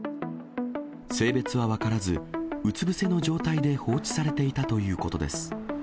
性別は分からず、うつ伏せの状態で放置されていたということです。